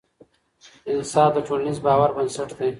انصاف د ټولنیز باور بنسټ دی